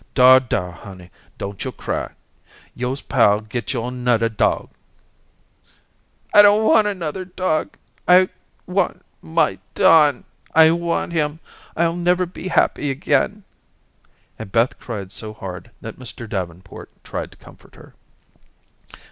"Dar, dar, honey, don't yo' cry. Yo'se pah'll get you anoder dog." "I don't want another dog. I want my Don. I want him, I'll never be happy again," and Beth cried so hard that Mr. Davenport tried to comfort her.